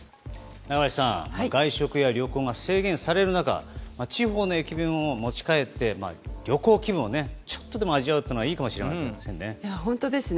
中林さん、外食や旅行が制限される中地方の駅弁を持ち帰って旅行気分をちょっとでも味わうというのはいいかもしれませんね。